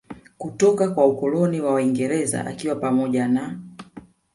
kutoka kwa Ukoloni wa waingereza akiwa pamoja na